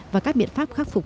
và các biện pháp khắc phục